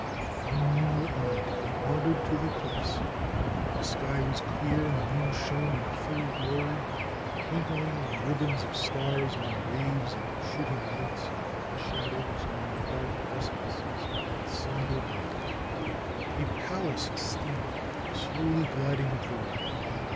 One moonlight night they wandered to the cliffs. The sky was clear and the moon shone in full glory, twinkling in ribbons of stars on the wav«8 and shooting lights and shadows among the dark precipices and somber bays. A THE HERMIT OF SAGUENAY 45 palace steamer was slowly gliding up the river.